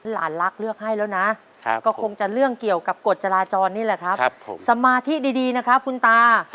หลานรักเลือกให้แล้วนะก็คงจะเรื่องเกี่ยวกับกฎจราจรนี่แหละครับสมาธิดีนะครับคุณตา